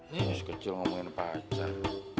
nih sekecil ngomongin pacar